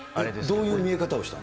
どういう見え方をしたの？